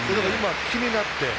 気になって。